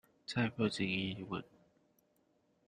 在不經意間